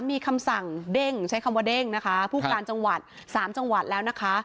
มีคำสั่งเด้งใช้คำว่าเด้งนะคะผู้การจังหวัดสามจังหวัดแล้วนะคะ